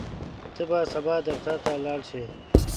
ته به سبا دفتر ته لاړ شې؟